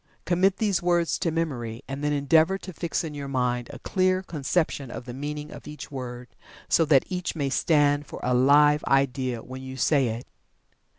Commit these words to memory, and then endeavor to fix in your mind a clear conception of the meaning of each word, so that each may stand for a Live Idea when you say it.